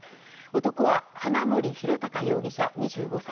男は花森弘卓容疑者、２５歳。